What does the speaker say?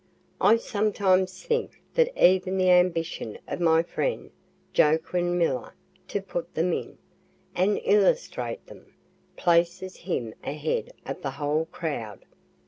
(I sometimes think that even the ambition of my friend Joaquin Miller to put them in, and illustrate them, places him ahead of the whole crowd.)